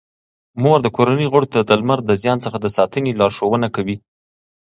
مور د کورنۍ غړو ته د لمر د زیان څخه د ساتنې لارښوونه کوي.